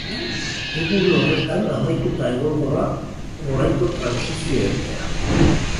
Egun horretan amaituta egongo da oraingo trantsizio epea.